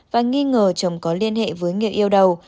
và nghi ngờ chồng có liên hệ với nghề yêu đầu